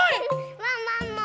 ワンワンも！